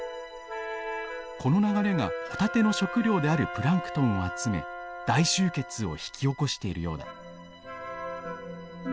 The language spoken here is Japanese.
この流れがホタテの食料であるプランクトンを集め大集結を引き起こしているようだ。